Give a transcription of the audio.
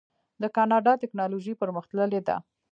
د کاناډا ټیکنالوژي پرمختللې ده.